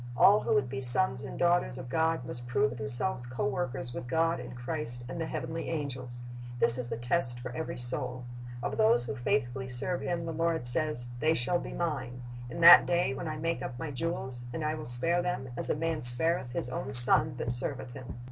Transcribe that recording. All who would be sons and daughters of God must prove themselves co workers with God and Christ and the heavenly angels. This is the test for every soul. Of those who faithfully serve Him the Lord says, "They shall be Mine ... in that day when I make up My jewels; and I will spare them, as a man spareth his own son that serveth him."